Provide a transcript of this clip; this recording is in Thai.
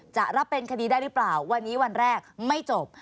จะรับเป็นคดีได้หรือเปล่าวันนี้วันแรกไม่จบ